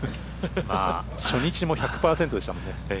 初日も１００％でしたもんね。